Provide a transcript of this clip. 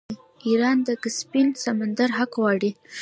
ایران د کسپین سمندر حق غواړي.